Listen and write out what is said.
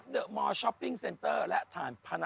วัดสุทัศน์นี้จริงแล้วอยู่มากี่ปีตั้งแต่สมัยราชการไหนหรือยังไงครับ